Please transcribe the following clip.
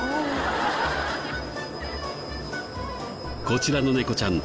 こちらの猫ちゃん